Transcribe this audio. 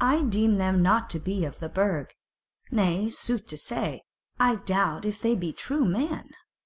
I deem them not to be of the Burg. Nay, sooth to say, I doubt if they be true men."